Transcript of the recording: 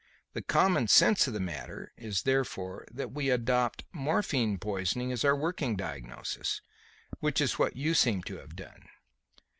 The common sense of the matter is therefore that we adopt morphine poisoning as our working diagnosis; which is what you seem to have done."